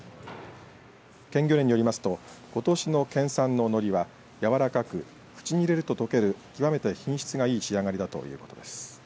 県漁連によりますとことしの県産ののりはやわらかく口に入れると溶ける極めて品質がいい仕上がりだということです。